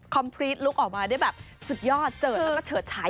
พรีตลุกออกมาได้แบบสุดยอดเจิดแล้วก็เฉิดฉาย